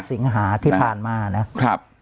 ๙สิงหาที่ผ่านมานะ